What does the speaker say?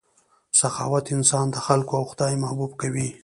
سخاوت انسان د خلکو او خدای محبوب کوي.